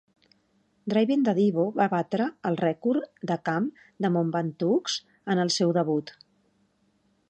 Driven de Divo, va batre el rècord de camp de Mont Ventoux en el seu debut.